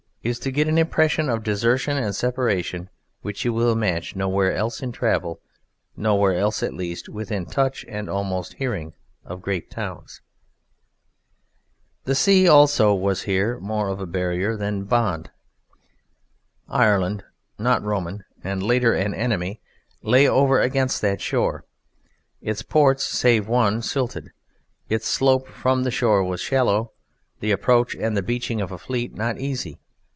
is to get an impression of desertion and separation which you will match nowhere else in travel, nowhere else, at least, within touch and almost hearing of great towns. The sea also was here more of a barrier than a bond. Ireland not Roman, and later an enemy lay over against that shore. Its ports (save one) silted. Its slope from the shore was shallow: the approach and the beaching of a fleet not easy.